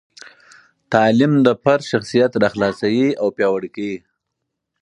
تعلیم د فرد شخصیت راخلاصوي او پیاوړي کوي.